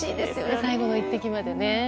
最後の１滴までね。